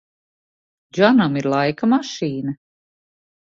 Džonam ir laika mašīna?